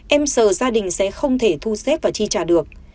em giờ gia đình sẽ không thể thu xếp và chi trả được